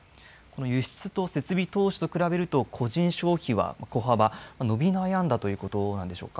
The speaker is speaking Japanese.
輸出と設備投資と比べると個人消費は伸び悩んだということですか。